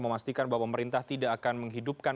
memastikan bahwa pemerintah tidak akan menghidupkan